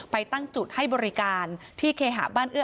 ไปตั้งจุดที่บริการซีวัล